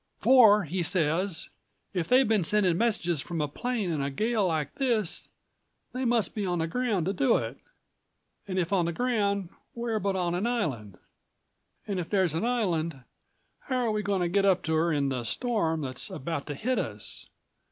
"'For,' he says, 'if they've been sending messages from a plane in a gale like this they must be on the ground to do it and if on the ground, where but on an island? And if there's an island, how are we going to get up to her in the storm that's about to hit us.